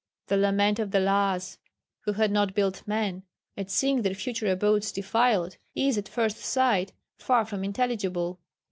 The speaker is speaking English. The lament of the Lhas "who had not built men" at seeing their future abodes defiled, is at first sight far from intelligible.